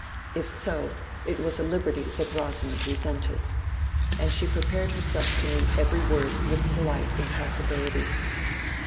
If so, it was a liberty that Rosamond resented; and she prepared herself to meet every word with polite impassibility.